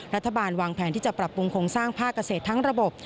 รัฐบาลวางแผนที่จะปรับปรุงโครงสร้างภาคเกษตรทั้งระบบ